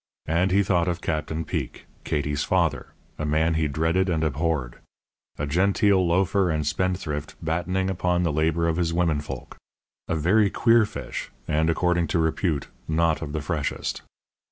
And he thought of Captain Peek, Katie's father, a man he dreaded and abhorred; a genteel loafer and spendthrift, battening upon the labour of his women folk; a very queer fish, and, according to repute, not of the freshest.